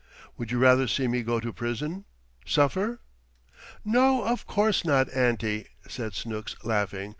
Would you rather see me go to prison suffer?" "No, of course not, auntie," said Snooks, laughing.